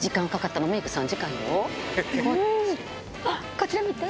こちら見て！